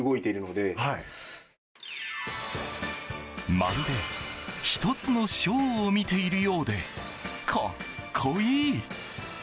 まるで１つのショーを見ているようで格好いい！